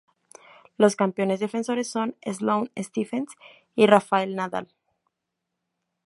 Los campeones defensores son Sloane Stephens y Rafael Nadal.